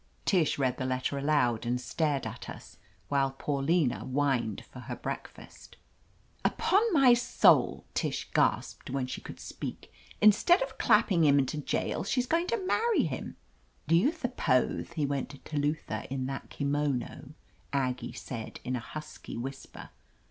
Tish read the letter aloud and stared at us, while Paulina whined for her breakfast 342 OF LETITIA CARBERRY m 'Upon my soul," Tish gasped, when she could speak. "Instead of clapping him into jail, she's going to marry him !" "Do you thuppoth he went to Telutha in that kimono ?" Aggie said in a husky whisper.